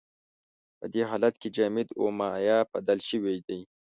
په دې حالت کې جامد په مایع بدل شوی دی.